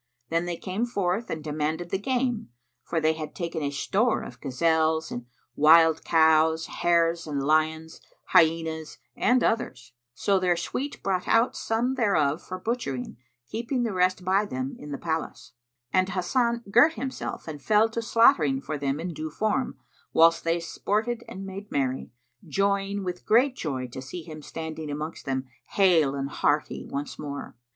Then they came forth and demanded the game, for they had taken a store of gazelles and wild cows, hares and lions, hyaenas, and others; so their suite brought out some thereof for butchering, keeping the rest by them in the palace, and Hasan girt himself and fell to slaughtering for them in due form,[FN#72] whilst they sported and made merry, joying with great joy to see him standing amongst them hale and hearty once more.